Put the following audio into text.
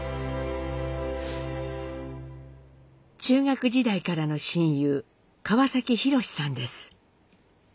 中学時代からの親友川崎洋史さんです。